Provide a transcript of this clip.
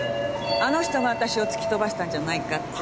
あの人が私を突き飛ばしたんじゃないかって。